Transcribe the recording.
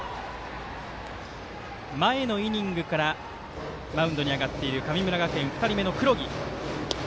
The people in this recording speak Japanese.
前のイニングからマウンドに上がっている神村学園２人目の黒木。